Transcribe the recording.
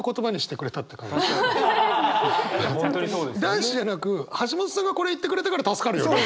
男子じゃなく橋本さんがこれ言ってくれたから助かるよね。